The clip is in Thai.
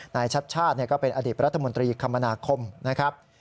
นายชัดชาติก็เป็นอดีตรัฐมนตรีคมนาคมนะครับ